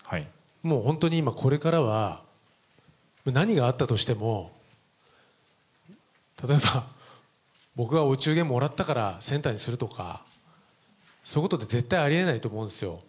もう本当に今、これからは何があったとしても、例えば僕がお中元もらったからセンターにするとか、そういうことって絶対ありえないと思うんですよ。